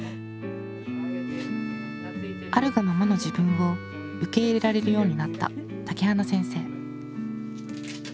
あるがままの自分を受け入れられるようになった竹花先生。